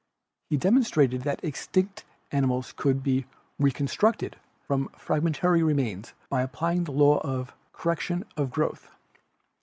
He demonstrated that extinct animals could be " reconstructed" from frag mentary remains by applying the law of "correlation of growth."